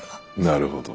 なるほど。